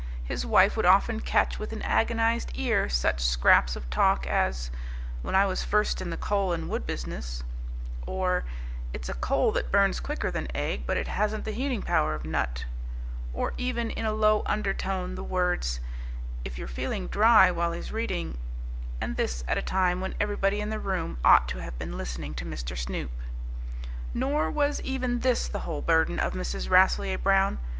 His wife would often catch with an agonized ear such scraps of talk as, "When I was first in the coal and wood business," or, "It's a coal that burns quicker than egg, but it hasn't the heating power of nut," or even in a low undertone the words, "If you're feeling dry while he's reading " And this at a time when everybody in the room ought to have been listening to Mr. Snoop. Nor was even this the whole burden of Mrs. Rasselyer Brown.